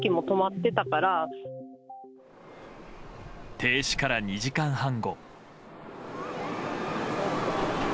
停止から２時間半後。